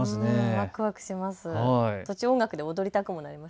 わくわくします。